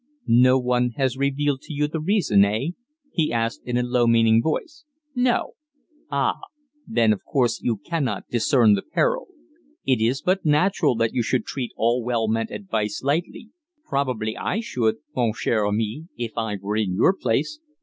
"No one has revealed to you the reason eh?" he asked in a low, meaning voice. "No." "Ah! Then, of course, you cannot discern the peril. It is but natural that you should treat all well meant advice lightly. Probably I should, mon cher ami, if I were in your place."